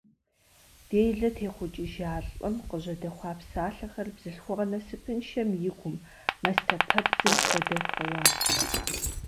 Делэ техъукӏыжа лӏым къыжьэдэхуа псалъэхэр бзылъхугъэ насыпыншэм и гум, мастэпэбдзым хуэдэу, хэуат.